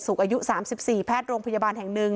อายุ๓๔แพทย์โรงพยาบาลแห่งหนึ่ง